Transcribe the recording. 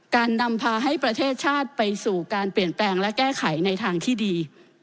การนำพาให้ประเทศชาติไปสู่การเปลี่ยนแปลงและแก้ไขในทางที่ดี